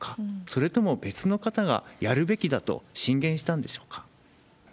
それとも別の方がやるべきだと進言したんでしょうか？